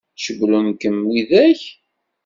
Cewwlen-kem widak?